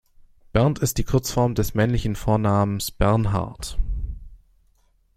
Bernd ist die Kurzform des männlichen Vornamens Bernhard.